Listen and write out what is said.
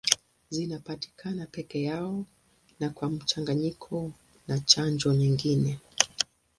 Zinapatikana peke yao na kwa mchanganyiko na chanjo nyingine.